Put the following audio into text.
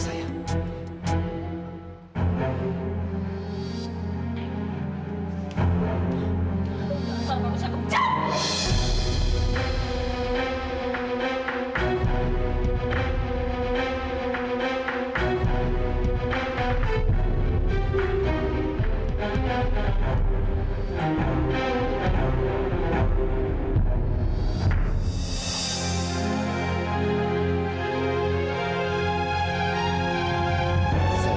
saya akan menangkap kamu